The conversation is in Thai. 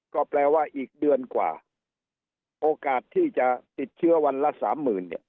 ก็แปลว่าอีกเดือนกว่าโอกาสที่จะติดเชื้อวันละสามหมื่นเนี่ย